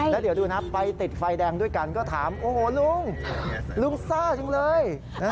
แล้วเดี๋ยวดูนะไปติดไฟแดงด้วยกันก็ถามโอ้โหลุงลุงซ่าจังเลย